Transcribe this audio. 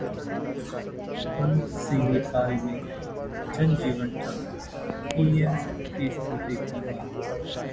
बंद से नेपाल में जनजीवन ठप, पीएम के इस्तीफे की मांग